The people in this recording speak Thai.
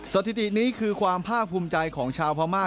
สถิตินี้คือความภาคภูมิใจของชาวพม่า